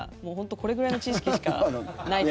これぐらいの知識しかないです。